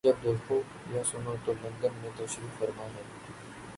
جب دیکھو یا سنو تو لندن میں تشریف فرما ہیں۔